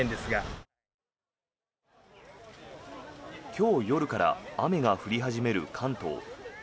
今日夜から雨が降り始める関東。